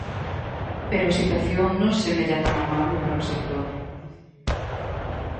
Pero a situación non semella tan amable para o sector.